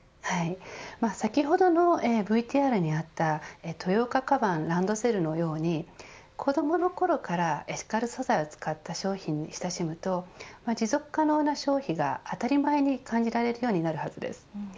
先ほどのＶＴＲにあったトヨオカカバンのランドセルのように子どものころからエシカル素材を使った商品に親しむと持続可能な商品が当たり前に感じられるようになるはずです。